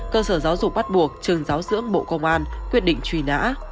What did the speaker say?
cơ sở giáo dục bắt buộc trường giáo dưỡng bộ công an quyết định truy nã